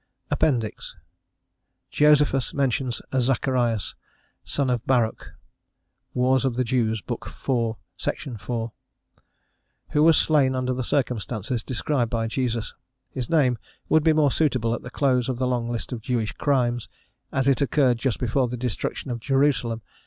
APPENDIX: "Josephus mentions a Zacharias, a son of Baruch ('Wars of the Jews,' Book iv., sec. 4), who was slain under the circumstances described by Jesus. His name would be more suitable at the close of the long list of Jewish crimes, as it occurred just before the destruction of Jerusalem.